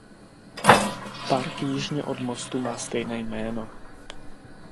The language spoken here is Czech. Park jižně od mostu má stejné jméno..